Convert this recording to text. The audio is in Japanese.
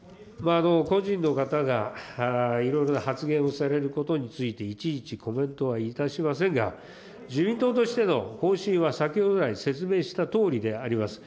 個人の方がいろいろな発言をされることについて、いちいちコメントはいたしませんが、自民党としての方針は先ほど来、説明したとおりであります。